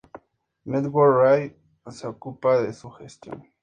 Network Rail se ocupa de su gestión.